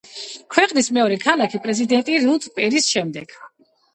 ქვეყნის მეორე ქალი პრეზიდენტი რუთ პერის შემდეგ.